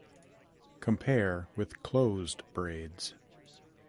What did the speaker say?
Compare with closed braids.